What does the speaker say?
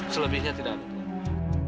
selebihnya tidak ada